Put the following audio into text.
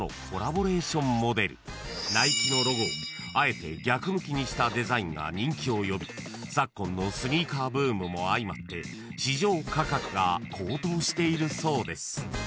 ［ナイキのロゴをあえて逆向きにしたデザインが人気を呼び昨今のスニーカーブームも相まって市場価格が高騰しているそうです］